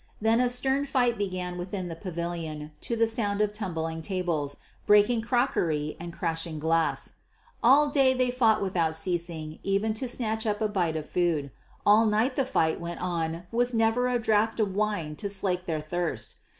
Then a stern fight began within the pavilion to the sound of tumbling tables, breaking crockery and crashing glass. All day they fought without ceasing even to snatch up a bite of food; all night the fight went on with never a draught of wine to slake their thirst.